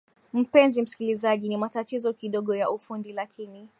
mpenzi msikilizaji ni matatizo kidogo ya ufundi lakini